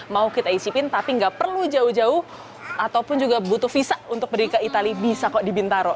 mau kita isipin tapi nggak perlu jauh jauh ataupun juga butuh visa untuk pergi ke itali bisa kok di bintaro